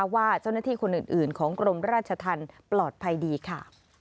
ว่าเจ้าหน้าที่คนอื่นของกรมราชธรรมปลอดภัยดีค่ะ